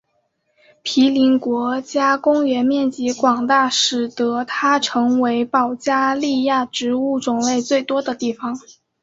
皮林国家公园面积广大使得它成为保加利亚植物种类最多的地方。